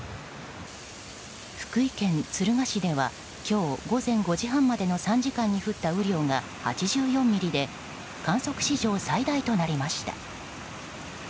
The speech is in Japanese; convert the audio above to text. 福井県敦賀市では今日午前５時半までの３時間に降った雨量が８４ミリで観測史上最大となりました。